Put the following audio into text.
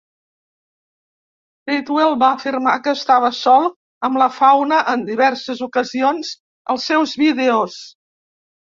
Treadwell va afirmar que estava sol amb la fauna en diverses ocasions als seus vídeos.